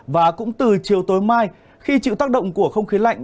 và cũng từ chiều tối mai khi chịu tác động của không khí lạnh